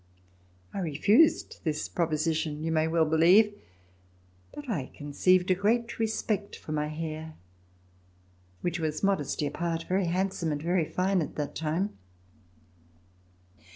I refused this proposition, you may well believe, but I conceived a great respect for my hair, which was, modesty apart, very handsome and very fine at that time.